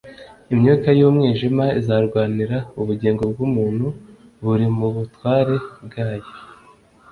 imyuka y’umwijima izarwanira ubugingo bw’umuntu buri mu butware bwayo,